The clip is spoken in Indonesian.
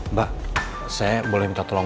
mbak saya boleh minta tolong